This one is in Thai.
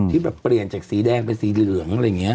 ที่แบบเปลี่ยนจากสีแดงเป็นสีเหลืองอะไรอย่างนี้